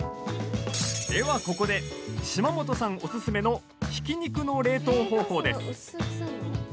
では、ここで島本さんおすすめのひき肉の冷凍方法です。